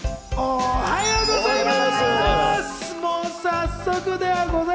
間おはようございます。